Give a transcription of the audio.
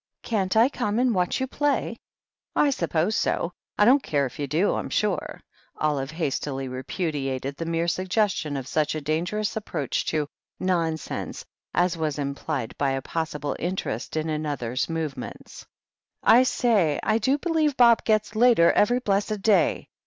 "Can't I come and watch you play?" "I suppose so. / don't care if you do, I'm sure," Olive hastily repudiated the mere suggestion of such a dangerous approach to "nonsense" as was implied by a possible interest in another's movements. "I say, I do believe Bob gets later every blessed day.